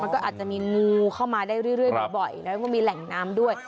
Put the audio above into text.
ก็อาจจะมีงูเข้ามาได้เรื่อยบ่อยแล้วก็มีแหล่งน้ำด้วย